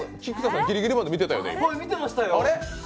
俺ギリギリまで見てたよ！